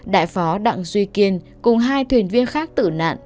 đại phó đặng duy kiên cùng hai thuyền viên khác tử nạn